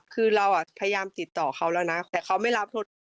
คือเราพยายามติดต่อเขาแล้วนะแต่เขาไม่รับโทรศัพท์